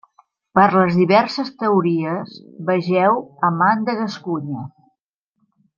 Per les diverses teories vegeu Amand de Gascunya.